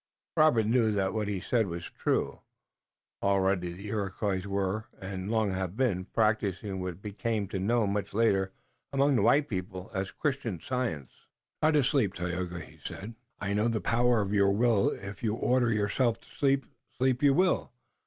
Robert knew that what he said was true. Already the Iroquois were, and long had been, practicing what came to be known much later among the white people as Christian Science. "Try to sleep, Tayoga," he said. "I know the power of your will. If you order yourself to sleep, sleep you will.